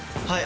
はい！